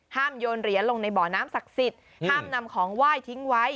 โยนเหรียญลงในบ่อน้ำศักดิ์สิทธิ์ห้ามนำของไหว้ทิ้งไว้